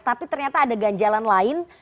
tapi ternyata ada ganjalan lain